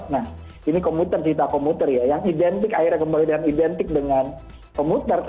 nah ini komuter kita komuter ya yang identik akhirnya kembali dan identik dengan komuter